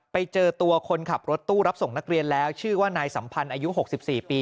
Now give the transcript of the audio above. ไปเจอตัวคนขับรถตู้รับส่งนักเรียนแล้วชื่อว่านายสัมพันธ์อายุ๖๔ปี